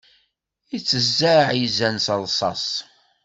Iteẓẓaɛ izan s ṛṛṣaṣ.